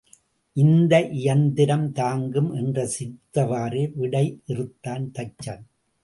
இந்த இயந்திரம் தாங்கும் என்று சிரித்தவாறே விடையிறுத்தான் தச்சன்.